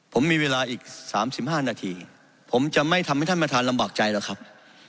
ผมมีเวลาอีก๓๕นาทีผมจะไม่ทำให้ท่านประธานลำบากใจหรอกครับ